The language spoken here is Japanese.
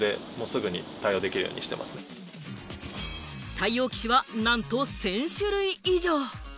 対応機種はなんと１０００種類以上。